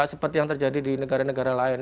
seperti yang terjadi di negara negara lain